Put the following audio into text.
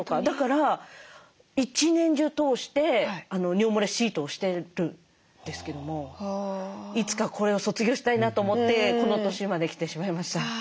だから一年中通して尿もれシートをしてるんですけどもいつかこれを卒業したいなと思ってこの年まで来てしまいました。